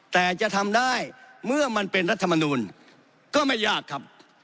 แต่จะทำได้เมื่อมันเป็นรัฐมนูลก็ไม่ยากครับ